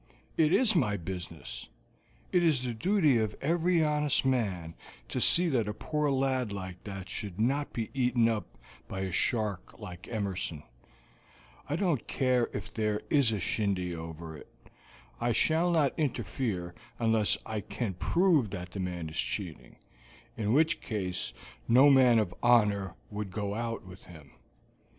"It is my business; it is the duty of every honest man to see that a poor lad like that should not be eaten up by a shark like Emerson. I don't care if there is a shindy over it. I shall not interfere unless I can prove that the man is cheating, in which case no man of honor would go out with him.